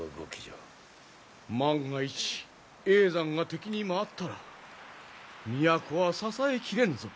万が一叡山が敵に回ったら都は支え切れぬぞ。